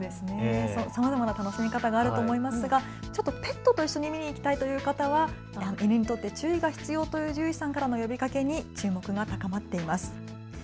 さまざまな楽しみ方があると思いますがペットと一緒に見に行きたいという方にとって注意が必要という獣医さんからの呼びかけに注目が高まっています。